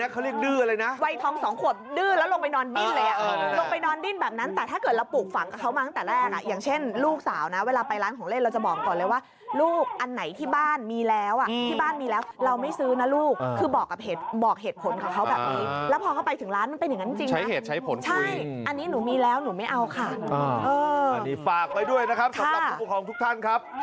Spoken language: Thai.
คือมันมีอยู่จริงนะคือมันมีอยู่จริงนะคือมันมีอยู่จริงนะคือมันมีอยู่จริงนะคือมันมีอยู่จริงนะคือมันมีอยู่จริงนะคือมันมีอยู่จริงนะคือมันมีอยู่จริงนะคือมันมีอยู่จริงนะคือมันมีอยู่จริงนะคือมันมีอยู่จริงนะคือมันมีอยู่จร